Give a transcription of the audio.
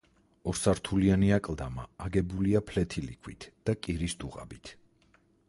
ორსართულიანი აკლდამა აგებულია ფლეთილი ქვით და კირის დუღაბით.